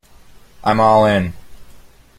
I'm all in.